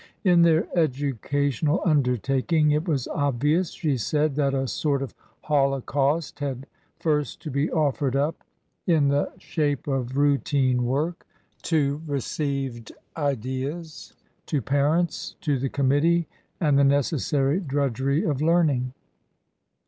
In their educational undertaking it was obvious, she said, that a sort of holocaust had first to be offered up TRANSITION. 91 — in the shape of routine work — ^to received ideas, to parents, to the Committee, and the necessary drudgery of learning.